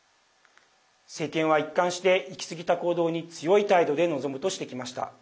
政権は一貫して行き過ぎた行動に強い態度で臨むとしてきました。